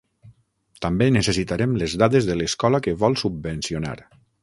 També necessitarem les dades de l'escola que vol subvencionar.